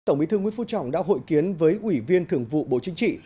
tổng bí thư nguyễn phú trọng đã hội kiến với ủy viên thường vụ bộ chính trị